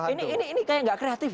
jadi satu tahun pertama